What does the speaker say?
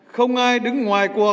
không ai đứng ngoài cuộc